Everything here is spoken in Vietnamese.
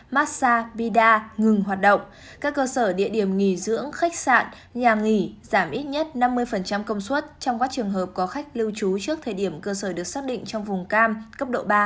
massag bida ngừng hoạt động các cơ sở địa điểm nghỉ dưỡng khách sạn nhà nghỉ giảm ít nhất năm mươi công suất trong các trường hợp có khách lưu trú trước thời điểm cơ sở được xác định trong vùng cam cấp độ ba